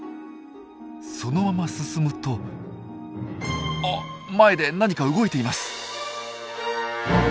そのまま進むとあっ前で何か動いています！